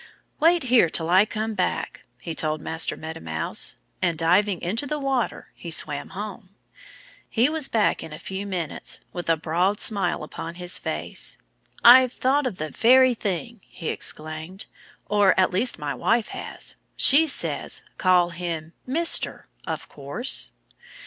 "Wait here till I come back!" he told Master Meadow Mouse. And, diving into the water, he swam home. He was back in a few minutes, with a broad smile upon his face. "I've thought of the very thing!" he exclaimed. "Or, at least, my wife has. She says, 'Call him "Mister," of course'!"